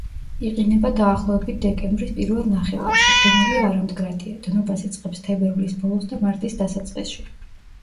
იყინება დაახლოებით დეკემბრის პირველ ნახევარში, ყინული არამდგრადია; დნობას იწყებს თებერვლის ბოლოს და მარტის დასაწყისში.